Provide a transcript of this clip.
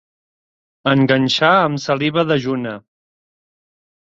Enganxar amb saliva dejuna.